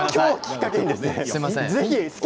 すみません。